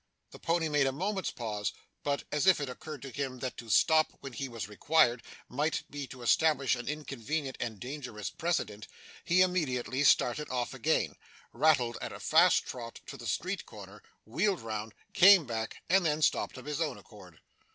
The pony made a moment's pause; but, as if it occurred to him that to stop when he was required might be to establish an inconvenient and dangerous precedent, he immediately started off again, rattled at a fast trot to the street corner, wheeled round, came back, and then stopped of his own accord.